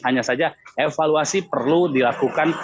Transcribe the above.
hanya saja evaluasi perlu dilakukan